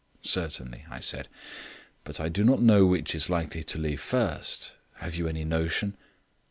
"Certainly," I said. "But I do not know which is likely to leave first. Have you any notion?"